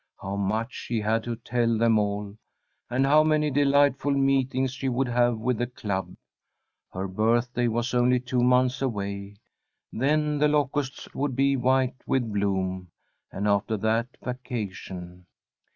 How much she had to tell them all, and how many delightful meetings she would have with the club! Her birthday was only two months away. Then the locusts would be white with bloom, and after that vacation.